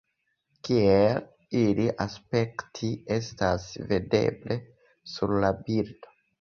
Kiel ili aspektis, estas videble sur la bildo.